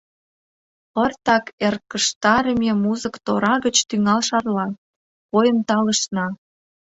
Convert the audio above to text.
Пыртак эркыштарыме музык тора гыч тӱҥал шарла, койын талышна.